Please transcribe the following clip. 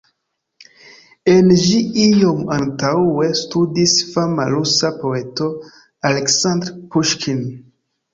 En ĝi iom antaŭe studis fama rusa poeto Aleksandr Puŝkin.